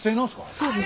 そうです。